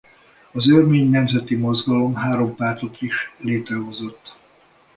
Az örmény nemzeti mozgalom három pártot is létrehozott.